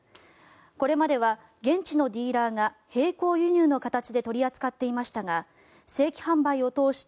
これまでは現地のディーラーが並行輸入の形で取り扱っていましたが正規販売を通して